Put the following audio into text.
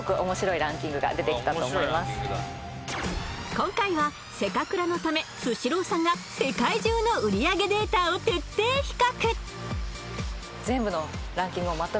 今回はせかくらのためスシローさんが世界中の売り上げデータを徹底比較。